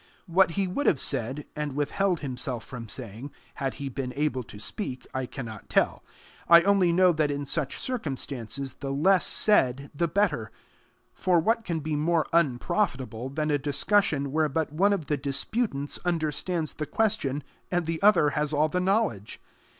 What he would have said, and withheld himself from saying, had he been able to speak, I cannot tell; I only know that in such circumstances the less said the better, for what can be more unprofitable than a discussion where but one of the disputants understands the question, and the other has all the knowledge?